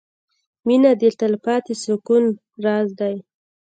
• مینه د تلپاتې سکون راز دی.